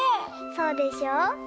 そうでしょ。